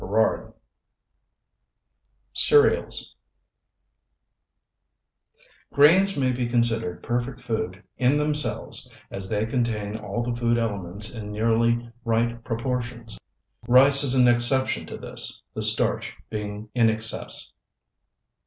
CEREALS CEREALS Grains may be considered perfect food in themselves, as they contain all the food elements in nearly right proportions. Rice is an exception to this, the starch being in excess.